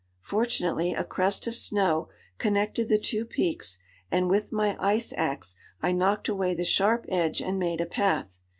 Fortunately, a crest of snow connected the two peaks, and with my ice axe I knocked away the sharp edge, and made a path.